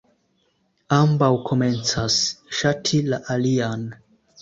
Ambaŭ komencas ŝati la alian.